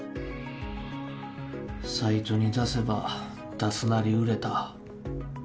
サイトに出せば、出すなり売れた。